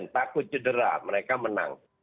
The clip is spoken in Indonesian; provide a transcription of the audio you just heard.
takut cedera mereka menang